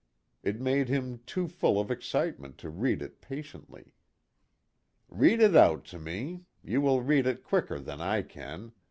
It made him too full of excite ment to read it patiently. " Read it out to me you will read it quicker than I can !